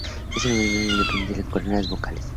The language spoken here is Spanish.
Es fundamentalmente independiente de las cuerdas vocales.